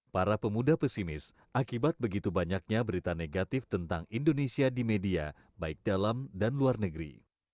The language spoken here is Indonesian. para pemuda pesimis akibat begitu banyaknya berita negatif tentang indonesia di media baik dalam dan luar negeri